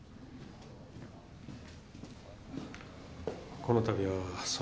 この度はその。